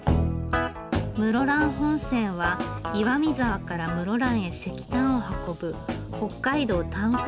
室蘭本線は岩見沢から室蘭へ石炭を運ぶ北海道炭礦